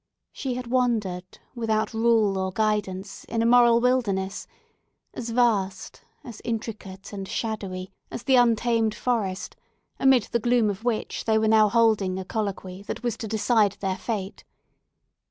She had wandered, without rule or guidance, in a moral wilderness, as vast, as intricate, and shadowy as the untamed forest, amid the gloom of which they were now holding a colloquy that was to decide their fate.